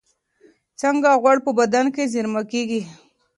څنګه غوړ په بدن کې زېرمه کېږي؟